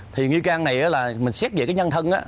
thì nghi can này mình xét về nhân thân